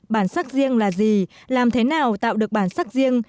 bản sắc riêng là gì làm thế nào tạo được bản sắc riêng